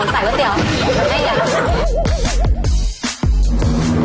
ใส่ก๋วยเตี๋ยวไม่ได้อยาก